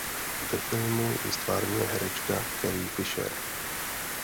Ve filmu ji ztvárňuje herečka Carrie Fisher.